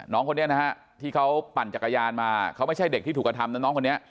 น้องคนนี้นะฮะที่เขาปั่นจักรยานมาเขาไม่ใช่เด็กที่ถูกกระทำนะน้องคนนี้